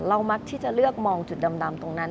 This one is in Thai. มักที่จะเลือกมองจุดดำตรงนั้น